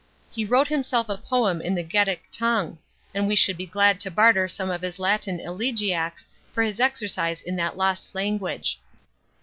He wrote himself a poem in the Getic tongue ; and we should be glad to barter some of his Latin elegiacs for his exercise in that lost language.